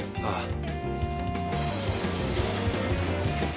ああ。